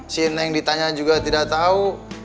si neng ditanya juga tidak tahu